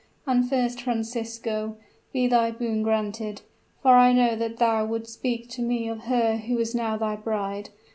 And first, Francisco, be thy boon granted for I know that thou wouldst speak to me of her who is now thy bride.